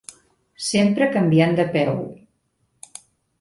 Sempre canviant de peu.